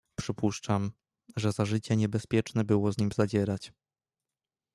"Przypuszczam, że za życia niebezpieczne było z nim zadzierać."